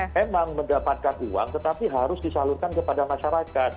memang mendapatkan uang tetapi harus disalurkan kepada masyarakat